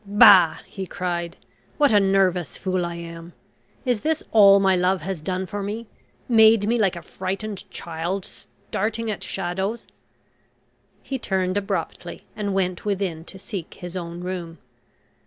"Bah," he cried. "What a nervous fool I am! Is this all my love has done for me made me like a frightened child, starting at shadows?" He turned abruptly, and went within to seek his own room.